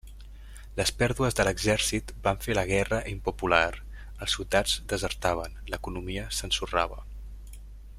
Les pèrdues de l'exèrcit van fer la guerra impopular; els soldats desertaven; l'economia s'ensorrava.